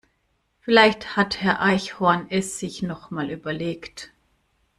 Vielleicht hat Herr Eichhorn es sich noch mal überlegt.